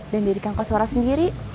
dan diri kang koswara sendiri